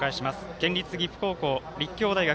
県立岐阜高校立教大学